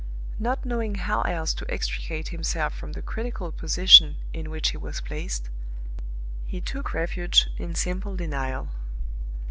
Not knowing how else to extricate himself from the critical position in which he was placed, he took refuge in simple denial.